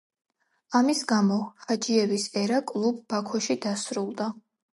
ამის გამო ჰაჯიევის ერა კლუბ ბაქოში დასრულდა.